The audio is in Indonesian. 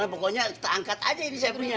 pokoknya kita angkat aja ini saya punya